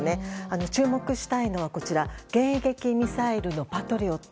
注目したいのは迎撃ミサイルのパトリオット。